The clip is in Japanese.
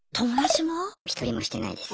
一人もしてないです。